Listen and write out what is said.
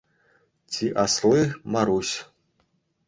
Чи асли – Маруҫ.